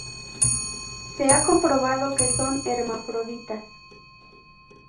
Se ha comprobado que son hermafroditas.